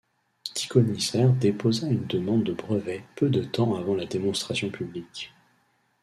Tykonicer déposa une demande de brevet peu de temps avant la démonstration publique.